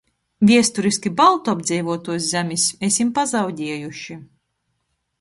Viesturiski baltu apdzeivuotuos zemis esim pazaudiejuši.